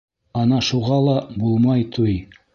Ана шуға ла -булмай туй!